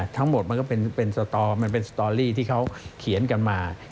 ทั้งหมดมันก็เป็นสตอมันเป็นสตอรี่ที่เขาเขียนกันมา